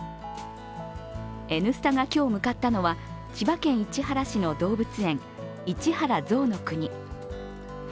「Ｎスタ」が今日向かったのは千葉県市原市の動物園・市原ぞうの国。